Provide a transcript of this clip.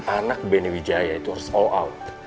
anak benewijaya itu harus all out